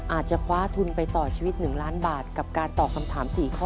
อาจจะคว้าทุนไปต่อชีวิต๑ล้านบาทกับการตอบคำถาม๔ข้อ